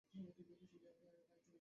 তোমরা কী নিয়ে খেলছিলে জানো?